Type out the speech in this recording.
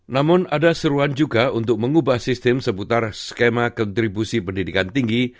namun ada seruan juga untuk mengubah sistem seputar skema kontribusi pendidikan tinggi